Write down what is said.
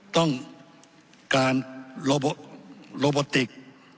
ต้องการโลโบติก